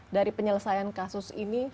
dari penyelesaian kasus ini